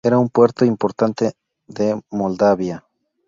Era un puerto importante de Moldavia.